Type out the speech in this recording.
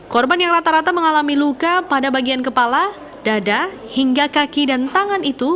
korban yang rata rata mengalami luka pada bagian kepala dada hingga kaki dan tangan itu